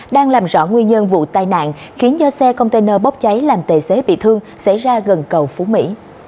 đang làm rõ nguyên nhân vụ tai nạn khiến do xe container bóp cháy làm tệ xế bị thương xảy ra gần cầu phú mỹ